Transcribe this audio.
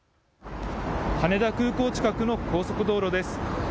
羽田空港近くの高速道路です。